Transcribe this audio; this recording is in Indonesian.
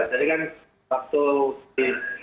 jadi kan waktu di